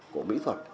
của mỹ thuật